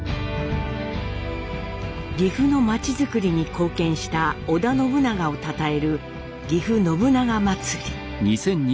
岐阜の町づくりに貢献した織田信長をたたえる「ぎふ信長まつり」。